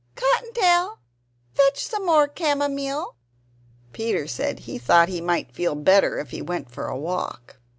Cotton tail! fetch some more camomile!" Peter said he thought he might feel better if he went for a walk.